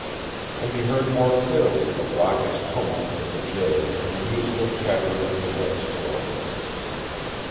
And he heard more clearly the raucous tumult of the jay and the musical chattering of the red squirrels.